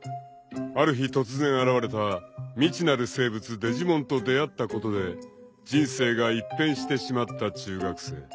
［ある日突然現れた未知なる生物デジモンと出会ったことで人生が一変してしまった中学生］